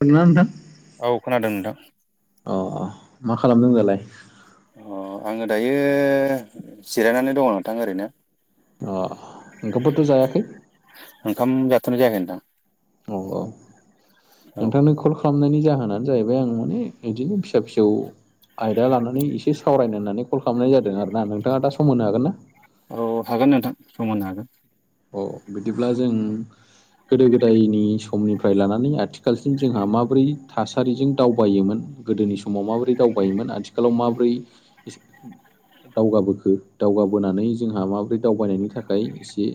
सोरना दा औ खोनादों नोंथां। अ अ मा खालामदों होन दालाय? अ आङो दायो जिरायनानै दङ नोंथां ओरैनो ओंखामफोरथ' जायाखै? ओंखाम जााथनो जायाखै नोंथां। औ औ औ नोंथांनो कल खालामनायनि जाहोनानो जाहैबाय आं माने बिदिनो फिसा फिसौ आयदा लानानै एसे सावरायनो होननानै कल खालामनाय जादों आरो ना नोंथाङा दा सम मोनो हागोन ना? औ हागोन नोंथां समाननो हागोन। अ बिदिब्ला जों गोदो गोदायनि समनिफ्राय लानानै आथिखालसिम जोंहा माबोरै थासारिजों दावबायोमोन गोदोनि समाव माबोरै दावबायोमोन आथिखालाव माबोरै दावगाबोखो दावगाबोनानै जोंहा माबोरै दावबायनायनि थाखाय एसे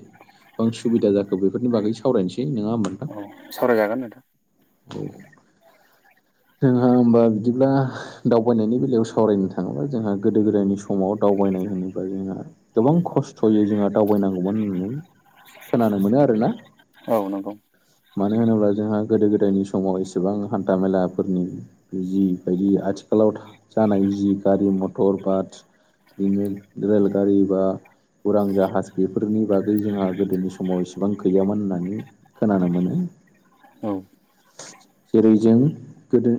गोबां सुबिदा जाखो बेफोरनि बागै सावरायनोसै नङा होनबा। औ सावरायजागोन। [inaudible] जोंहा होमबा बिदिब्ला दावबायनायनि बेलायाव सावरायनो थाङोब्ला जोंहा गोदो गोदायनि समाव दावबायनाय होनोबा जोंहा गोबां खस्थ'यै जोंहा दावबायनांगौमोन होननानै खोनानो मोनो आरोना। औ नंगौ। मानो होनोब्ला जोंहा गोदो गोदायनि समाव एसेबां हान्था मेला फोरनि जि बायदि आथिखालाव जानाय जि गारि मटर बास बिदिनो रेलगारि बा उरां जाहाज बेफोरनि बागै जोंहा गोदोनि समाव इसेबां गैयामोन होननानै खोनानो मोनो।। औ जेरैजों गोदो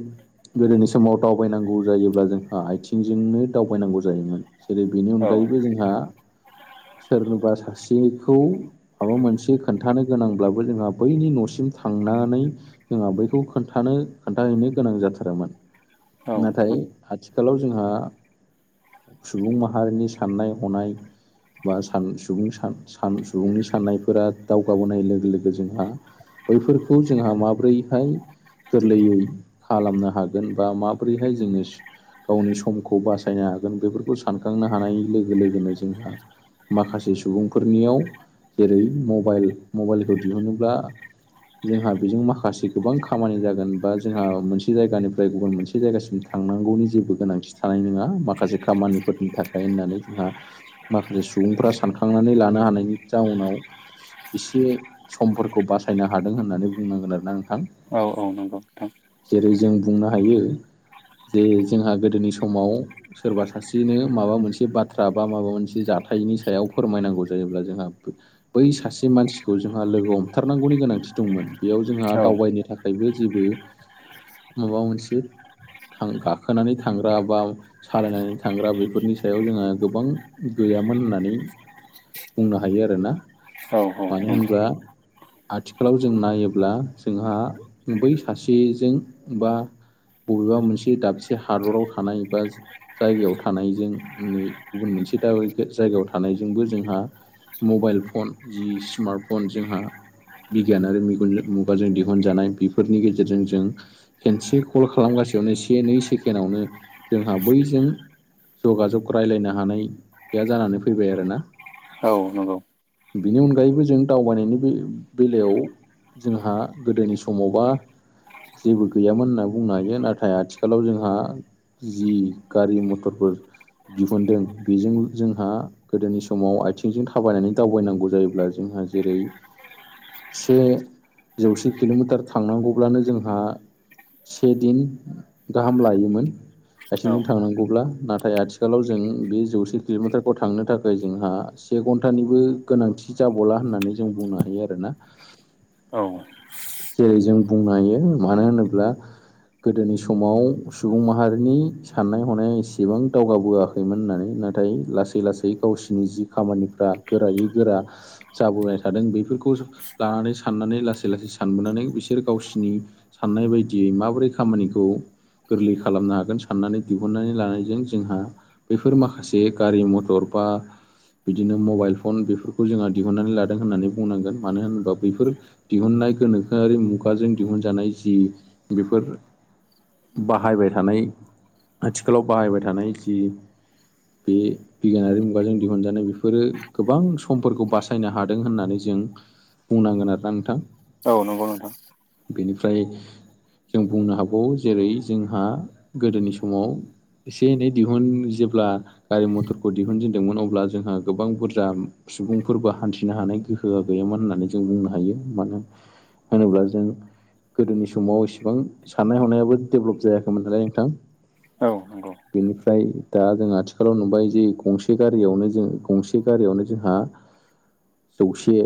गोदोनि समाव दावबायनांगौ जायोब्ला जोंहा आथिंजोंनो दावबायनांगौ जायोमोन। जेरै बेनि औ नंगौ अनगायैबो जोंहा सोरनोबा सासेखौ माबा मोनसे खोन्थानो गोनांब्लाबो जोंहा बैनि न'सिम थांनानै जोंहा बैखौ खोन्थानो खोन्थाहैनो गोनां जाथारोमोन। औ नाथाय आथिखालाव जोंहा सुबुं माहारिनि साननाय हनाय बा स सुबुं सुबुंनि साननायफोरा दावगाबोनाय लोगो लोगो जोंहा बैफोरखौ जोंहा माब्रै गोरलैयै खालामनो हागोन बा माबोरैहाय जोङो गावनि समखौ बासायनो हागोन बेफोरखौ सानखांनो हानाय लोगो लोगोनो जोंहा माखासे सुबुंफोरनियाव जेरै मबाइल मबाइलखौ दिहुनोब्ला जोंहा बेजों माखासे गोबां खामानि जागोन बा जोंहा मोनसे जायगानिफ्राय गुबुन मोनसे जायगासिम थांनांगौनि जेबो गोनांथिं थानाय नङा माखासे खामानिफोरनि थाखाय होननानै जोंहा माखासे सुबुंफ्रा सानखांनानै लानो हानायनि जाउनाव एसे समफोरखौ बासायनो हादों होननानै बुंनांगोन आरोना नोंथां। औ-औ नंगौ नोंथां जेरै जों बुंनो हायो जे जोंहा गोदोनि समाव सोरबा सासेनो माबा मोनसे बाथ्रा बा माबा मोनसे जाथायनि सायाव फोरमायनांगौ जायोब्ला जोंहा बै सासे मानसिखौ जोंहा लोगो हमथारनांगौनि गोनांथि दंमोन बेयाव जोंहा औ दावबायनो थाखायबो जेबो माबा मोनसे थां गाखोनानै थांग्रा बा सालायनानै थांग्रा बेफोरनि सायाव जोंहा गोबां गैयामोन होननानै बुंनो हायो आरोना औ मानो नंगौ होनब्ला आथिखालाव जों नायोब्ला जोंहा बै सासेजों बा बबेबा मोनसे दाबसे हादराव थानाय बा जायगायाव थानायजों नै गुबुन मोनसे द जायगायाव थानायजोंबो जोंहा मबाइल फन जि स्मार्ट फन जोंहा बिगियान आरो मेगन मुग बा जों दिहुनजानाय बेफोरनि गेजेरजों जों खेनसे कल खालामगासियावनो से नै सेकेडआवनो जोंहा बैजों जगाजग रायलायनो हानाया जानानै फैबाय आरो ना औ नंगौ बेनि अनगायैबो जों दावबायनायनि बे बेलायाव जोंहा गोदोनि समावबा जेबो गैयामोन होनना बुंनो हायो नाथाय आथिखालाव जोंहा जि गारि मथरफोर दिहुनदों बेजों जोंहा गोदोनि समाव आथिंजों थाबायनानै दावबायनांगौ जायोब्ला जोंहा जेरै से जौसे किल'मिटार थांनांगौब्लानो जोंहा से दिन गाहाम लायोमोन औ आथिंजों थांनांगौब्ला नाथाय आथिखालाव जों बे जौसे किल'मिटारखौ थांनो थाखाय जोंहा से घन्टानिबो गोनांथि जाबावला होननानै जों बुंनो हायो आरोना औ जेरै जों बुंनो हायो मानो होनोब्ला गोदोनि समाव सुबुं माहारिनि साननाय हनाया एसेबां दावगाबोआखै मोन होननानै नाथाय लासै लासै गावसिोरनि जि खामानिफ्रा गोरायै गोरा जाबोबाय थादों बेफोरखौ लानानै साननानै लासै लासै सानबोनानै बिसोर गावसिोरनि साननाय बायदियै माबोरै खामानिखौ गोरलै खालामनो हागोन साननानै दिहुननानै लानायजों जोंहा बेफोर माखासे गारि मथर बा बिदिनो मबाइल फन बेफोरखौ जोंहा दिहुननानै लादों होननानै बुंनांगोन मानो होनोबा बैफोर दिहुननाय गोनोखोआरि मुगाजों दिहुनजानाय जि बेफोर बाहायबाय थानाय आथिखालाव बाहायबाय थानाय जि बे बिगियानारि मुगाजों दिहुनजानाय बेफोरो गोबां समफोरखौ बासायनो हादों होननानै जों बुंनांगोन आरोना नोंथां औ नंगौ नोंथां बेनिफ्राय जों बुंनो हागावो जेरै जोंहा गोदोनि समाव एसे एनै दिहुन जेब्ला गारि मथरखौ दिहुनजेनदोंमोन अब्ला जोंहा गोबां बुरजा सुबुंफोरबो हान्थिनो हानाय गोहोआ गैयामोन होननानै जों बुंनो हायो मानो होनोब्ला जों गोदोनि समाव इसिबां साननाय हनायाबो डेभलप जायाखैमोन नालाय नोंथां औ नंगौ बेनिफ्राय दा जों आथिखालाव नुबाय जे गंसे गारियावनो जों गंसे गारियावनो जोंहा जौसे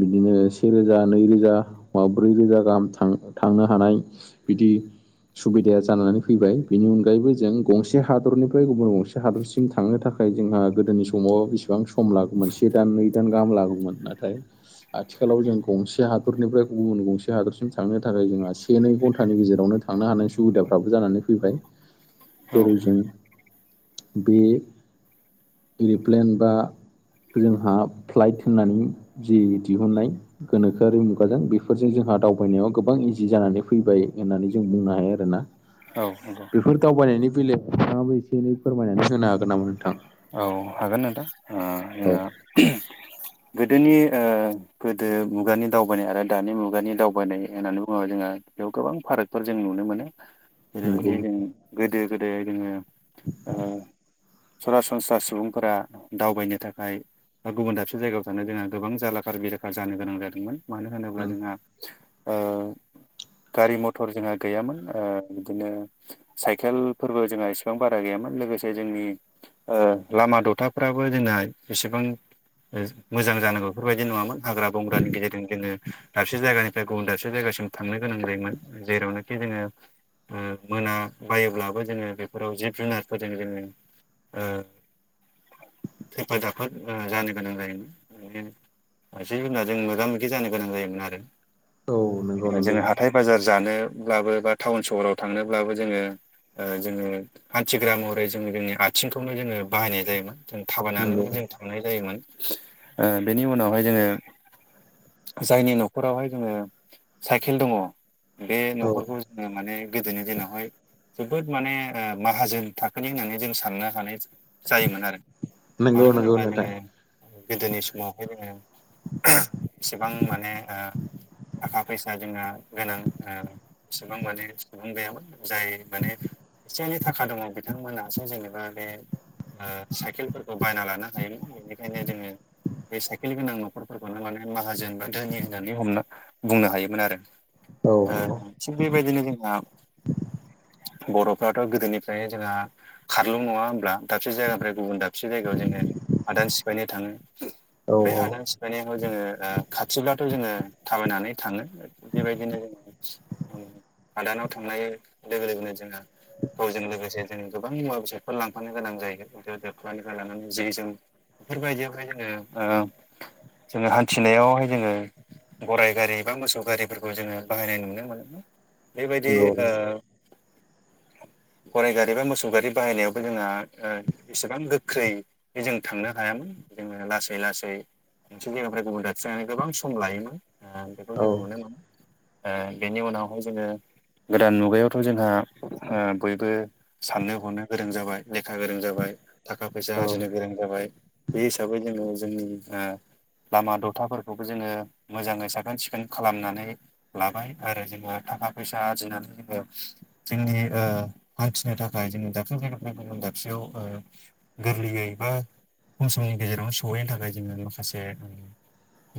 बिदिनो सेेरोजा नैरोजा माबा ब्रै रोजा गाहाम थां थांनो हानाय बिदि सुबिदाया जानानै फैबाय बेनि अनगायैबो जों गंसे हादरनिफ्राय गुबुन गंसे से हादरसिम थांनो थाखाय जोंहा गोदोनि समाव बेसेबां सम लागौमोन से दान नै दान गाहाम लागौमोन नाथाय आथिखालाव जों गंसे हादरनिफ्राय गुबुन गंसे हादरसिम थांनो थाखाय जोंहा से नै घन्टानि गेजेरावनो थांनो हानायनि सुबिदाफ्राबो जानानै फैबाय औ जेरै जों बे एर'प्लेन बा जोंहा फ्लाइट होननानै जि दिहुनन्नाय गोनोखोआरि मुगाजों बेफोर फोरजों जोंहा दावबायनायाव गोबां इजि जानानै फैबाय होननानै जों बुंनो हायो आरोना औ नंगौ बेफोर दावबायनायनि बेलायाव नोंथाङाबो एसे एनै फोरमायनानै होनो हागोन नामा नोंथां औ हागोन नोंथां ओ औ जोंना गोदोनि ओ गोदो मुगानि दावबायनाय आरो दानि मुगानि दावबायनाय होननानै बुङोब्ला जोंहा बेयाव गोबां फारागफोर जों नुनो मोनो [inaudible] जेरैबायदि जों गोदो गोदो जोङो ओ सरास सनस्रा सुबुंफोरा दावबायनो थाखाय गुबुन दाबसे जायगायाव थांनो जोंहा गोबां जालाखार बेलाखार जानो गोनां जादोंमोन मानो होनोब्ला नों जोंहा आ गारि मथर जोंहा गैयामोन ओ बिदिनो साइकेल फोरबो जोंहा एसे बां बारा गैयामोन लोगोसे जोंनि लामा दथाफ्राबो जोंना जेसिबां मोजां जानांगौ बेफोरबायदि नङामोन हाग्रा बंग्रानि गेजेरजों जोङो दसे जायगानिफ्राय गुबुन दाबसे जायगासिम थांनो गोनां जायोमोन जेरावनो खि जोङो मोना बायोब्लाबो जोङो बेफोराव जिब जुनारफोरजों जोङो खैफोद दाखोद जानो गोनां जायोमोन खायसे जुनारजों मोगा मोगि जानो गोनां जायोमोन आरो औ नंगौ जों नंगौ हाथाय बाजार जानो ब्लाबो बा टाउन सहराव थांनोब्लाबो जोङो जोङो हान्थिग्रा महरै जों जोंनि आ थिंखौनो जोङो बाहायनाय जायोमोन जों नंगौ थाबायनानैनो जों थांनाय जायोमोन ओ बेनि उनावहाय जोङो जायनि न'खरावहाय जोङो साइकेल दङ बे न'खरखौ औ जोङो माने गोदोनि दिनावहाय जोबोद माने माहाजोन थाखोनि होननानै जों साननो हानाय जायोमोन आरो नंगौ मानो नंगौ होनोबा नोंथां जोङो गोदोनि समावहाय जोङो एसेबां माने ओ थाखा फैसा जोंहा गोनां ओ एसेबां माने सुबुं गैयामोन जाय माने एसे एनै थाखा दङ बिथांमोनासो जेनेबा बे साइकेलफोरखौ बायना लानो हायोमोन बेनिखायनो जोङो बे साइकेल गोनां न'खरफोरखौनो माने माहाजोन बा धोनि होनानै हमनो बुंनो हायोमोन आरो औ थिग बेबायदिनो जोंहा बर'फ्राथ' गोदोनिफ्राय जोंहा खारलुं नङा होनब्ला दाबसे जायगानिफ्राय गुबुन दाबसे जायगायाव जोङो हादान सिफायनो थाङो औ बे औ हादान सिफायनायाव जोङो खाथिब्लाथ' जोङो थाबायनानै थाङो बेबायदिनो ओ हादानाव थांनाय लोगो लोगोनो जोंहा थजों लोगोसे जों गोबां मुवा बेसादफोर लांफानो गोनां जायो दो दोख्लानिफ्राय लानानै जि जोम बेफोरबायदियावहाय जोङो ओ जोङो हान्थिनायावहाय जोङो गराइ गारि बा मोसौ गारिफोरखौ जोङो बाहायनाय नुनो मोनोमोन बेबायदि नंगौ ओ गराय गारि बा मोसौ गारि बाहायनायाव जोंहा ओ एसेबां गोख्रै जों थांनो हायामोन जोङो लासै लासै मोनसे जायगानिफ्राय गुबुन दाबसे जायगासिम गोबां सम लायोमोन बेखौ औ जों नुनो मोनो ओ बेनि उनावहाय जोङो गोदान मुगायावथ' जोंहा ओ बयबो साननो हनो गोरों जाबाय लेखा गोरों जाबाय थाखा फैसा औ आरजिनो गोरों जाबाय बे हिसाबै जोङो जोंनि ओ लामा दथाफोरखौबो जोङो मोजाङै साखोन सिखोन खालामनानै लाबाय आरो जेनेबा थाखा फैसा आरजिनानै जोङो जोंनि ओ हान्थिनो थाखाय जोंनि दाबसे जायगाफ्रा गुबों दाबसेयाव ओ गोरलैयै बा खम समनि गेजेरावनो सहैनो थाखाय जोङो माखासे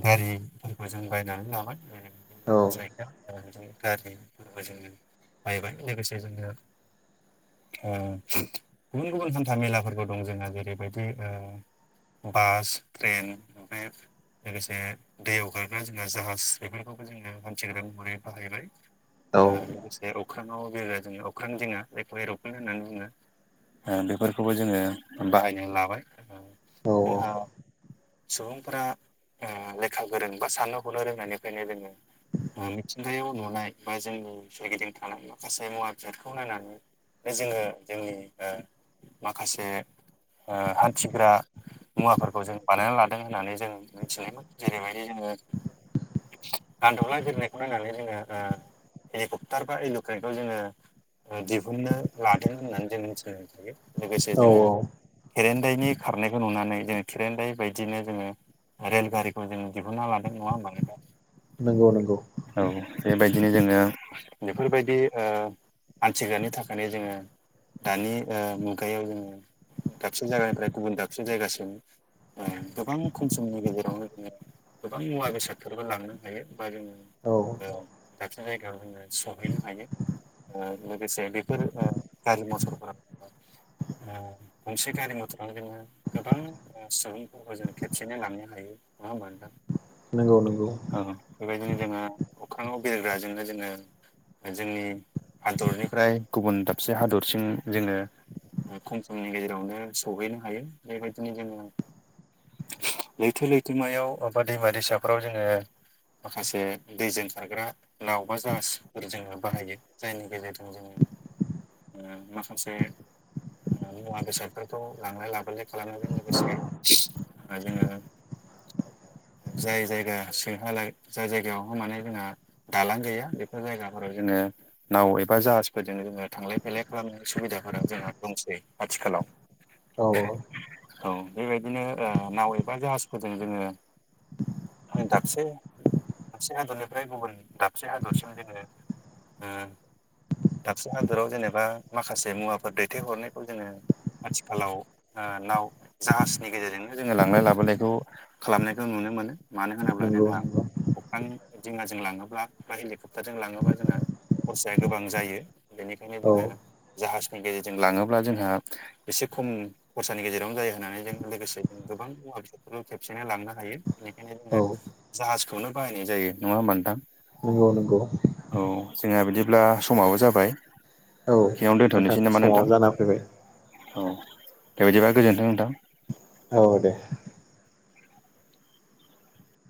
गारिफोरखौ जों बायनानै लाबाय [inaudible] मथ साइ गारिनिबो जोङो बायबाय लोगोसे जोङो ओ गुबुन गुबुन हान्था मेलाफोरबो दं जोंहा जेरैबायदि ओ बास ट्रेन बे लोगोसे दैयाव गारग्रा जोंना जाहाज बेफोरखौबो जोङो हान्थिग्रा महरै औ बाहायबाय लोगोसे अख्रांआव बिरग्रा जों अख्रां दिङा जायखौ एरल्पेन होननानै बुङो ओ बेफोरखौबो जोङो बाहायनानै लाबाय औ जोंहा सुबुंफोरा ओ लेखा गोरों बा साननो हनो रोंनायनिफ्रायनो जोङो मिथिंगायाव नुनाय बा जोंनि सोरगिदिं थानाय माखासे मुवा बेसादखौ नायनानै बे जोङो जोंनि ओ माखासे ओ हान्थिग्रा मुवाफोरखौ जों बानायना लादों होननानै जों मिथिनो मोन जेरैबायदि जोङो गान्दौला गिरनायखौ नायनानै जोङो हेलिकप्टार बा इल'ट्रनखौ जोङो दिहुननो लादों। होननानै जों मिनथिनो हायो लोगोसे औ जोङो खेरेनदायनि खारनायखौ नुनानै जोङ खेरेनदाय बायदिनो जोङो रेल गारिखौ जों दिहुनना लादों नङा होनबा नोंथां। नंगौ नंगौ औ बेबायदिनो जोङो बेफोरबायदि ओ हान्थिग्रानि थाखायनो जोङो दानि ओ मुगायाव जोङो दाबसे जायगानिफ्राय गुबुन दाबसे जायगासिम ओ गोबां खम समनि गेजेरावनो जोङो गोबां मुवा बेसादफोरबो लांनो हायो बा जोङो औ दाबसिन जायगायाव जोङो सहैनो हायो। ओ लोगोसे बेफोर गारि मथरफोर ओ मोनसे गारि मथरानो जोङो गोबां सुबुंफोरखौ जों खेबसेयनो लांनो हायो नङा होमबा नोंथां। नंगौ नंगौ औ बेबायदिनो जोङो अखाङाव बेरग्राजोंनो जोङो जोंनि हादरनिफ्राय गुबुन दाबसे हादरसिम जोङो खम समनि गेजेरावनो सहैनो हायो। बेबायदिनो जोङो लैथो- लैथोमायाव बबा दैमा -दैसाफ्राव जोङो माखासे दैजों खारग्रा नाव बा जासफोर जोङो बाहायो जायनि गेजेरजों जोङो ओ माखासे ओ मुवा बेसादफोरखौ लांलाय लाबोलाय खालामनायजों लोगोसे ओ जोङो जाय जायगा सोंहाला जाय जायगायावहाय माने जोंहा दालां गैया बेफोर जायगाफोराव जोङो नाव एबा जाहाजफोरजों जोङो थांलाय बेले खालामनाय सुबिदाफोरा जोंहा दंसै आथिखालाव। औ औ औ बेबायदिनो ओ नाव एबा जाहाजफोरजों जोङो आ दाबसे मोनसे हादरनिफ्राय गुबुन दाबसे हादरसिम जोङो दाबसे हादराव जेनेबा माखासे मुवाफोर दैथायहरनायखौ जोङो आथिखालाव ओ नाव जाहाजनि गेजेरजोंनो जोङो लांलाय लाबोलायखौ खालामनायखौ नुनो मोनो मानो होनोब्ला नंगौ जोंहा नंगौ अख्रां दैमाजों लाङोबा बा हेलिकप्टारजों लाङोबा जोङो खरसाया गोबां जायो बेनिखायनो औ जोङो जाहाजनि गेजेरजों लाङोब्ला जोंहा एसे खम खरसानि गेजेरावनो जायो होननानै जों लोगोसे जों गोबां मुवा बेसाद बे खेबसेनो लांनो हायो बेनिखायनो जोङो औ जाहाजखौनो बाहायनाय जायो नङा होमथां नंगौ नंगौ औ जोंहा बिदिब्ला समाबो जाबाय। औ सिङावनो नोंथां दोन्थ'नोसै नामा समाव नोंथां जाना फैबाय औ बेबायदिबा गोजोनथों नोंथां। औ दे